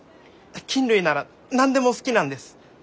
菌類なら何でも好きなんです！